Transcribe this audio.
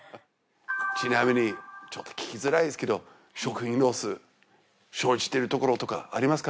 ちなみにちょっと聞きづらいですけど食品ロス生じてるところとかありますか？